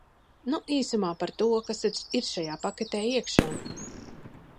Nu, īsumā par to, kas tad ir šajā paketē iekšā.